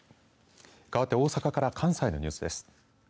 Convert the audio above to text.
かわって大阪から関西のニュースです。